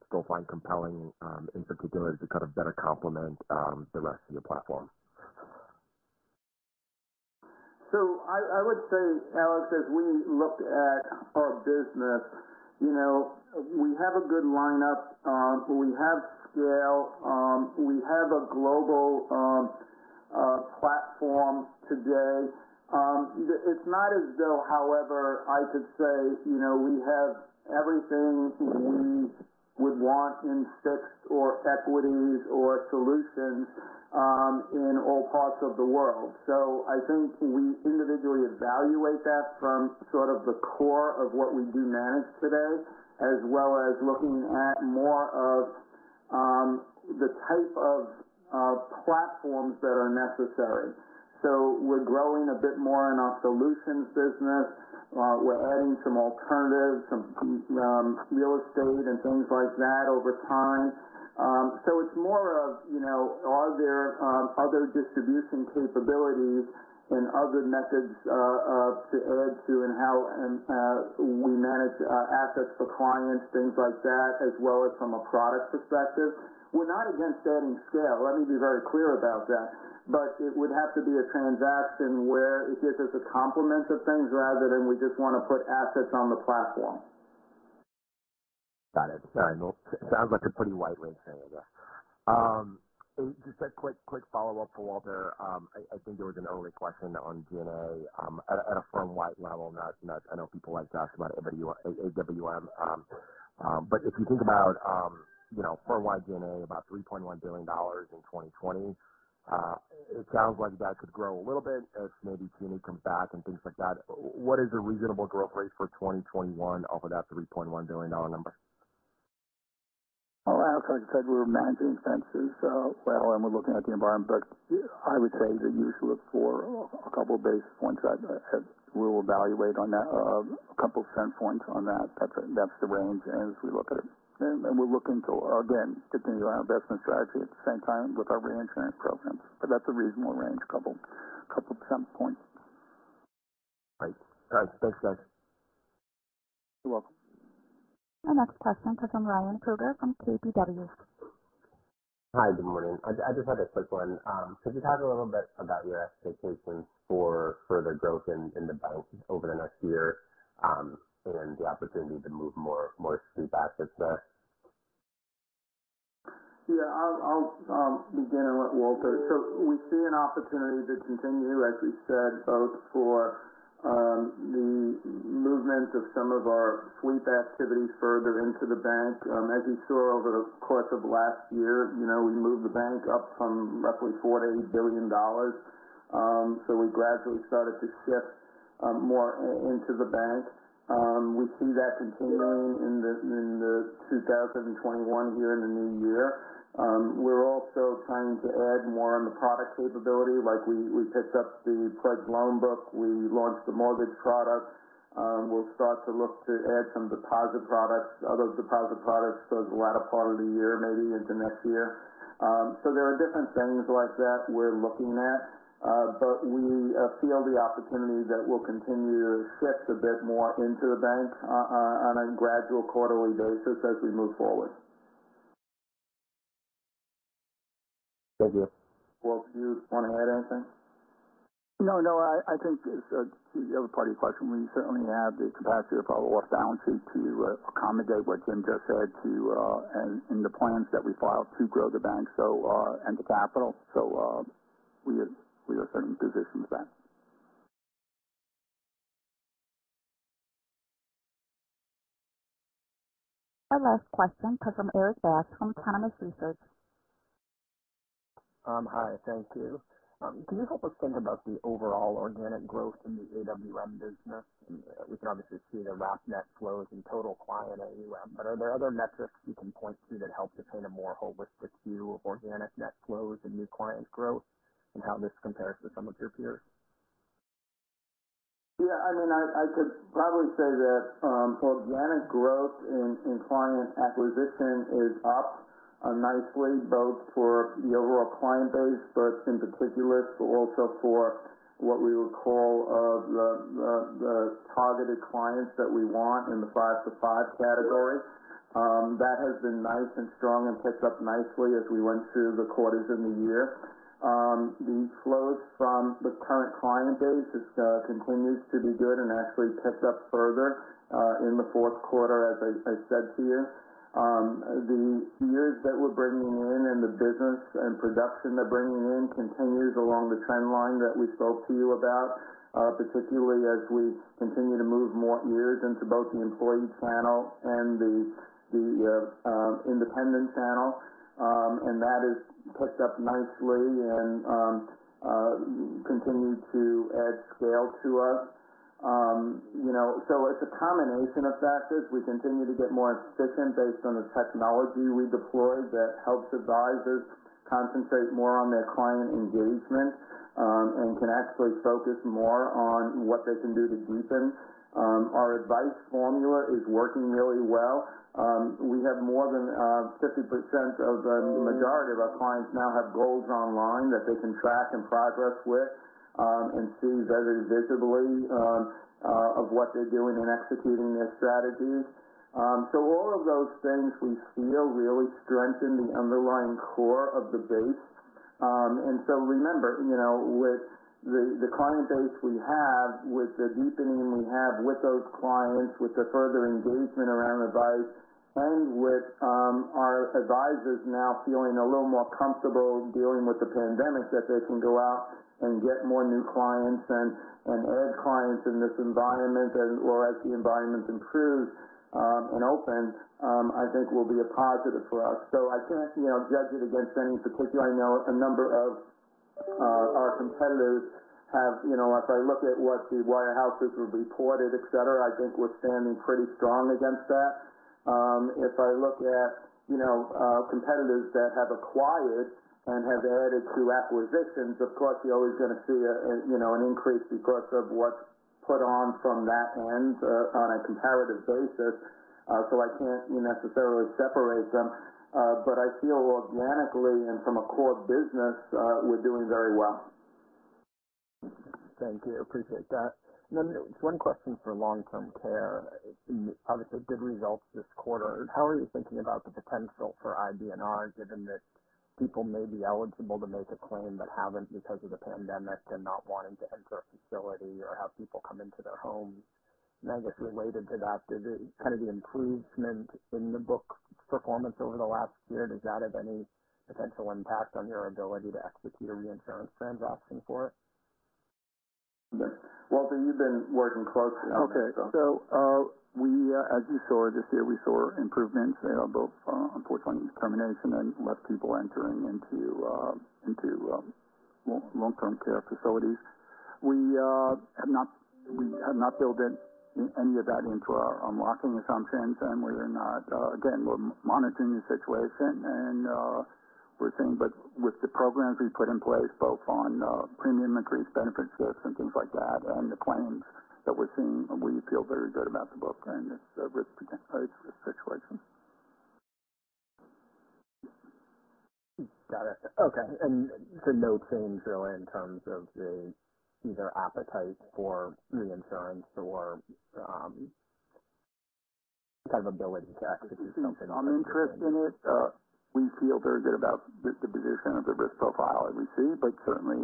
still find compelling, in particular, to better complement the rest of your platform? I would say, Alex, as we look at our business, we have a good lineup. We have scale. We have a global platform today. It's not as though, however, I could say we have everything we would want in fixed or equities or solutions in all parts of the world. I think we individually evaluate that from sort of the core of what we do manage today, as well as looking at more of the type of platforms that are necessary. We're growing a bit more in our solutions business. We're adding some alternatives, some real estate and things like that over time. It's more of are there other distribution capabilities and other methods to add to and how we manage assets for clients, things like that, as well as from a product perspective. We're not against adding scale. Let me be very clear about that. It would have to be a transaction where it gives us a complement of things rather than we just want to put assets on the platform. Got it. All right. Sounds like a pretty wide range there. Just a quick follow-up to Walter. I think there was an earlier question on G&A at a firm-wide level. I know people like to ask about AWM. If you think about firm-wide G&A, about $3.1 billion in 2020. It sounds like that could grow a little bit as maybe T&E comes back and things like that. What is a reasonable growth rate for 2021 off of that $3.1 billion number? Well, Alex, like I said, we're managing expenses well, we're looking at the environment. I would say that you should look for a couple basis points that we'll evaluate on that, $0.02 on that. That's the range as we look at it. We're looking to, again, continue our investment strategy at the same time with our reinsurance programs. That's a reasonable range, $0.02. Great. All right. Thanks, guys. You're welcome. Our next question comes from Ryan Krueger from KBW. Hi, good morning. I just had a quick one. Could you talk a little bit about your expectations for further growth in the bank over the next year and the opportunity to move more sweep assets there? Yeah, I'll begin and let Walter. We see an opportunity to continue, as we said, both for the movement of some of our sweep activities further into the bank. As you saw over the course of last year, we moved the bank up from roughly $48 billion. We gradually started to shift more into the bank. We see that continuing in the 2021 year, in the new year. We're also trying to add more on the product capability. We picked up the Pledge loan book, we launched the mortgage product. We'll start to look to add some deposit products, other deposit products, towards the latter part of the year, maybe into next year. There are different things like that we're looking at. We feel the opportunity that we'll continue to shift a bit more into the bank on a gradual quarterly basis as we move forward. Thank you. Walter, do you want to add anything? No. I think the other part of your question, we certainly have the capacity of our balance sheet to accommodate what Jim just said, and the plans that we filed to grow the bank and the capital. We are certainly positioned there. Our last question comes from Erik Bass from Autonomous Research. Hi, thank you. Can you help us think about the overall organic growth in the AWM business? We can obviously see the last net flows in total client AUM. Are there other metrics you can point to that help to paint a more holistic view of organic net flows and new client growth, and how this compares to some of your peers? Yeah, I could probably say that organic growth in client acquisition is up nicely, both for the overall client base, but in particular also for what we would call the targeted clients that we want in the 5-5 category. That has been nice and strong and picked up nicely as we went through the quarters in the year. The flows from the current client base has continued to be good and actually picked up further in the Q4, as I said to you. The years that we're bringing in and the business and production they're bringing in continues along the trend line that we spoke to you about, particularly as we continue to move more years into both the employee channel and the independent channel. That has picked up nicely and continued to add scale to us. It's a combination of factors. We continue to get more efficient based on the technology we deployed that helps advisors concentrate more on their client engagement, and can actually focus more on what they can do to deepen. Our advice formula is working really well. We have more than 50% of the majority of our clients now have goals online that they can track in progress with, and see very visibly of what they're doing in executing their strategies. All of those things we feel really strengthen the underlying core of the base. Remember, with the client base we have, with the deepening we have with those clients, with the further engagement around advice, and with our advisors now feeling a little more comfortable dealing with the pandemic, that they can go out and get more new clients and add clients in this environment as well as the environment improves and opens, I think will be a positive for us. I can't judge it against any particular. I know a number of our competitors have, if I look at what the wirehouses have reported, et cetera, I think we're standing pretty strong against that. If I look at competitors that have acquired and have added through acquisitions, of course, you're always going to see an increase because of what's put on from that end on a comparative basis. I can't necessarily separate them. I feel organically and from a core business, we're doing very well. Thank you. Appreciate that. Just one question for Long-Term Care. Obviously good results this quarter. How are you thinking about the potential for IBNR, given that people may be eligible to make a claim that haven't because of the pandemic and not wanting to enter a facility or have people come into their homes? I guess related to that, kind of the improvement in the book performance over the last year, does that have any potential impact on your ability to execute a reinsurance transaction for it? Walter, you've been working closely on it. As you saw this year, we saw improvements there, both unfortunately in termination and less people entering into long-term care facilities. We have not built any of that into our unlocking assumptions, and we're not. Again, we're monitoring the situation, and we're seeing. With the programs we've put in place both on premium increase, benefit shifts and things like that, and the claims that we're seeing, we feel very good about the book and the risk situation. Got it. Okay. No change really in terms of the either appetite for reinsurance or kind of ability to execute something on the reinsurance? I'm interested in it. We feel very good about the position of the risk profile as we see it, certainly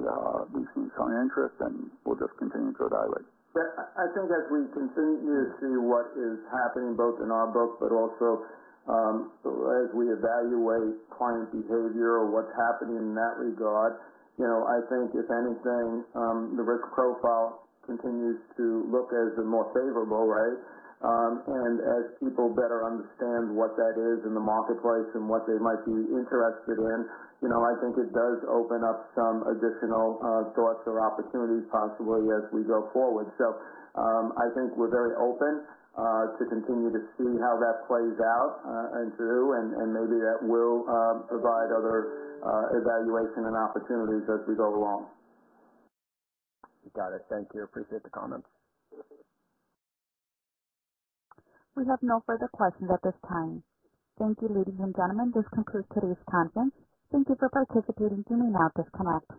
we've seen some interest and we'll just continue to evaluate. Yeah. I think as we continue to see what is happening both in our book, but also as we evaluate client behavior or what's happening in that regard, I think if anything the risk profile continues to look as the more favorable way. As people better understand what that is in the marketplace and what they might be interested in, I think it does open up some additional thoughts or opportunities possibly as we go forward. I think we're very open to continue to see how that plays out and through, and maybe that will provide other evaluation and opportunities as we go along. Got it. Thank you. Appreciate the comments. We have no further questions at this time. Thank you, ladies and gentlemen. This concludes today's conference. Thank you for participating. You may now disconnect.